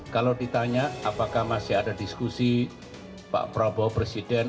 kalau ditanya apakah masih ada diskusi pak prabowo presiden